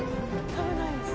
食べないです。